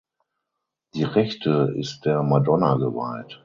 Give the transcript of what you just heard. Die rechte ist der Madonna geweiht.